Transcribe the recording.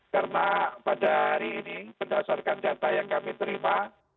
karena pada hari ini berdasarkan data yang kami terima